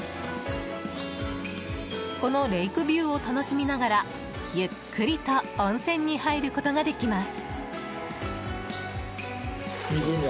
このレイクビューを楽しみながらゆっくりと温泉に入ることができます。